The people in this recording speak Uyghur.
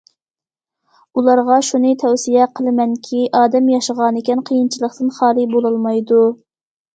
ئۇلارغا شۇنى تەۋسىيە قىلىمەنكى، ئادەم ياشىغانىكەن قىيىنچىلىقتىن خالىي بولالمايدۇ.